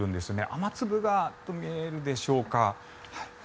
雨粒が見えるでしょうか。